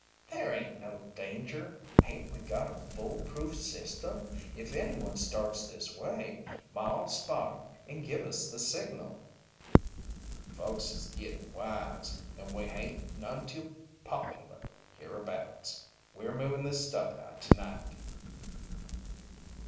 "There hain't no danger. Hain't we got a fool proof system? If anyone starts this way, Maw'll spot 'em and give us the signal." "Folkses is gittin' wise, and we hain't none too popular hereabouts. We're moving this stuff out tonight."